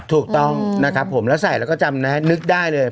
ถูกต้องแล้วใส่แล้วก็จำนะนึกได้เลย